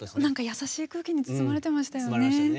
優しい空気に包まれていましたね。